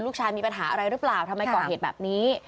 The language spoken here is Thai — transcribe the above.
ลูกชายมีปัญหาอะไรหรือเปล่าทำไมก่อเหตุแบบนี้